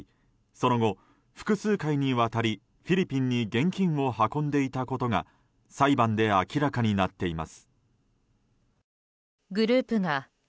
その後、複数回にわたりフィリピンに現金を運んでいたことが裁判で明らかになっています。